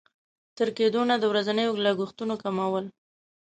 تر کېدونه د ورځنيو لګښتونو کمول.